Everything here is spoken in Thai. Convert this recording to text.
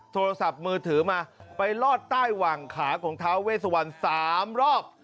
โทรศัพท์มือถือมาไปลอดใต้หวังขาของท้าเวสวัน๓รอบ